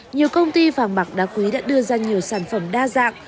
nhiều công ty vàng bạc đá quý đã đưa ra nhiều sản phẩm đa dạng